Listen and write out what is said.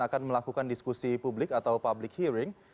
akan melakukan diskusi publik atau public hearing